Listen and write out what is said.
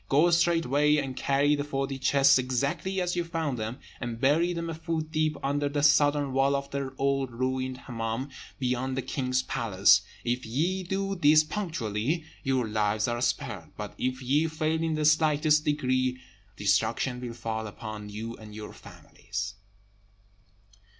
Go straightway, and carry the forty chests exactly as ye found them, and bury them a foot deep under the southern wall of the old ruined Hemmâm, beyond the king's palace. If ye do this punctually, your lives are spared; but if ye fail in the slightest degree, destruction will fall upon you and your families."